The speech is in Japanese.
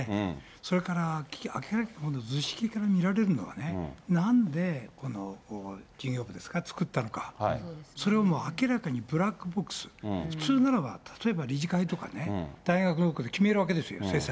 それから、明らかにこの図式から見られるのはね、なんでこの事業部ですか、作ったのか、それはもう明らかにブラックボックス、普通ならば、例えば理事会とかね、大学で決めるわけですよ、製作。